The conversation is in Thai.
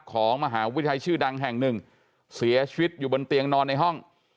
ของมหาวิทยาลัยชื่อดังแห่งหนึ่งเสียชีวิตอยู่บนเตียงนอนในห้อง